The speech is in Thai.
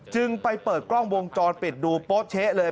จึงไปเปิดกล้องวงจรปิดดูโป๊เช๊ะเลย